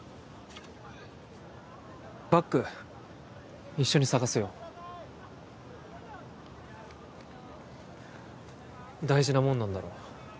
バッグ一緒に捜すよ大事なもんなんだろ？